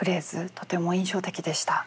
とても印象的でした。